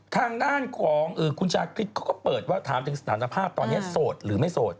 ทางด้านของคุณชาคริสเขาก็เปิดว่าถามถึงสถานภาพตอนนี้โสดหรือไม่โสด